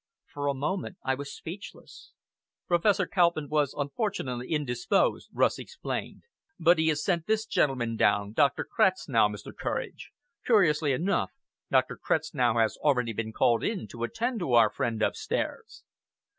For a moment I was speechless. "Professor Kauppmann was unfortunately indisposed," Rust explained; "but he has sent this gentleman down Dr. Kretznow, Mr. Courage. Curiously enough, Dr. Kretznow has already been called in to attend our friend upstairs."